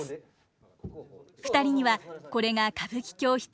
２人にはこれが歌舞伎教室